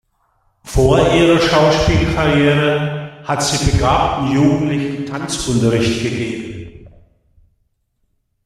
Vor ihrer Schauspielkarriere hat sie begabten Jugendlichen Tanzunterricht gegeben.